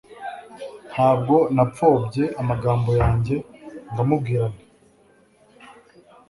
Ntabwo napfobye amagambo yanjye ndamubwira nti